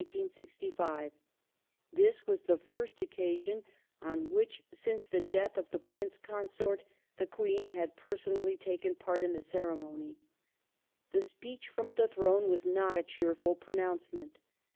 This was the ^^^^'^^ ment first occasion on which, smce the death of the Prince Consort, the meets Queen had personally taken part in the ceremony. The Speech ^ggg"^'^^' from the Throne was not a cheerful pronouncement.